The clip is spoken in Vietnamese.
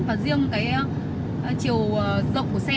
và riêng cái chiều rộng của xe